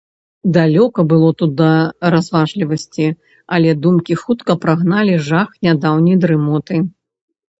Далёка было тут да разважлівасці, але думкі хутка прагналі жах нядаўняй дрымоты.